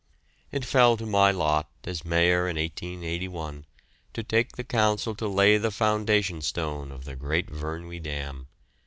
It fell to my lot, as Mayor in 1881, to take the Council to lay the foundation stone of the great Vyrnwy dam.